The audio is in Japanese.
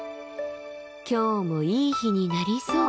今日もいい日になりそう。